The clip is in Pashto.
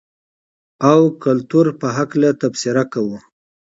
او کلتور په حقله تبصره کوو.